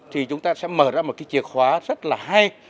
thì chúng ta sẽ mở ra một cái chìa khóa rất là hay